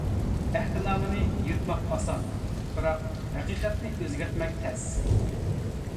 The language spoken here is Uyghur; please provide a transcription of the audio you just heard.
ئەھدىنامىنى يىرتماق ئاسان، بىراق ھەقىقەتنى ئۆزگەرتمەك تەس.